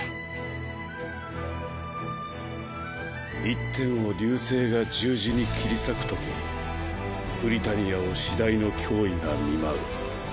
「一天を流星が十字に斬り裂く時ブリタニアを至大の脅威が見舞う。